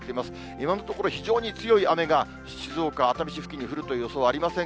今のところ非常に強い雨が、静岡・熱海市付近に降るという予想はありません